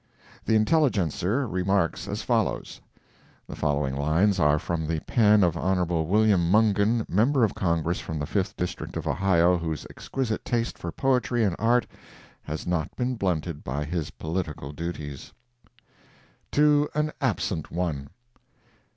The Intelligencer remarks as follows: [The following lines are from the pen of Hon. William Mungen, member of Congress from the Fifth District of Ohio, whose exquisite taste for poetry and art has not been blunted by his political duties:] TO AN ABSENT ONE.